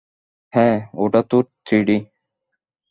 হ্যাঁ, ওটা তো থ্রিডি।